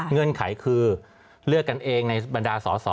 เงื่อนไขคือเลือกกันเองในบรรดาสอสอ